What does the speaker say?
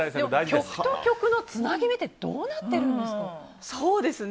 曲と曲のつなぎ目ってどうなってるんですか？